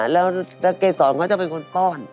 แล้วเกษรเขาจะเป็นคนป้อน